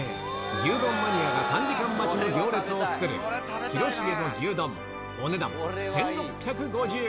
牛丼マニアが３時間待ちで行列を作る広重の牛丼、お値段１６５０円。